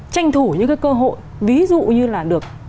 tranh thủ những cái cơ hội ví dụ như là được